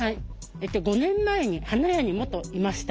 ５年前に花屋に元いました。